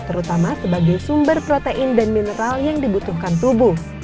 terutama sebagai sumber protein dan mineral yang dibutuhkan tubuh